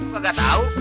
gue gak tau